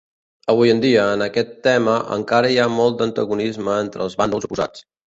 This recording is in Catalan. Avui en dia, en aquest tema, encara hi ha molt d'antagonisme entre els bàndols oposats.